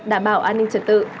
đảm bảo an ninh trật tự